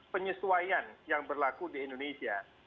penyesuaian yang berlaku di indonesia